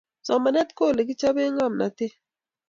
Somanet ko olekichopee ng'omnotet